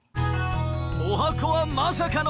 十八番はまさかの